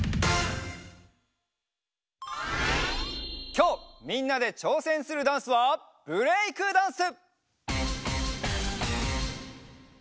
きょうみんなでちょうせんするダンスはブレイクダンス！